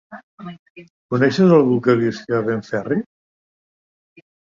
Coneixes algú que visqui a Benferri?